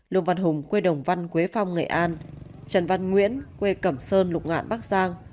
lương văn hùng quê đồng văn quế phong nghệ an trần văn nguyễn quê cẩm sơn lục ngạn bắc giang